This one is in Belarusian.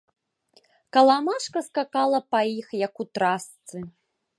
Каламажка скакала па іх, як у трасцы.